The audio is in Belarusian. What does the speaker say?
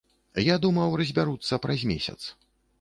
Я думаў, разбяруцца праз месяц.